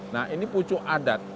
nah ini pucuk adat